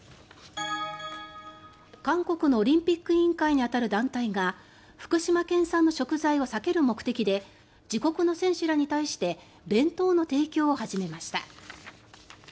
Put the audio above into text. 韓国のオリンピック委員会に当たる団体が福島県産の食材を避ける目的で自国の選手らに対して弁当の提供を始めました。